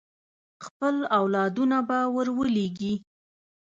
خپل اولادونه به ور ولېږي.